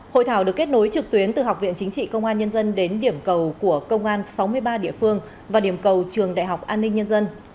hội thảo được kết nối trực tuyến từ học viện chính trị công an nhân dân đến điểm cầu của công an sáu mươi ba địa phương và điểm cầu trường đại học an ninh nhân dân